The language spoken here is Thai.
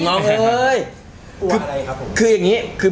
กลัวอะไรครับผม